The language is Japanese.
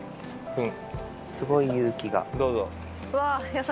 うん。